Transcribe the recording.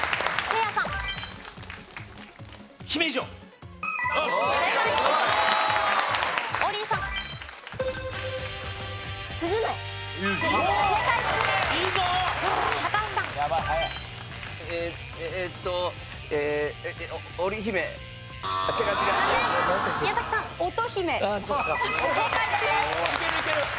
いけるいける！